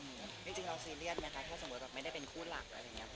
จริงเราซีเรียสไหมคะถ้าสมมุติแบบไม่ได้เป็นคู่หลักอะไรอย่างนี้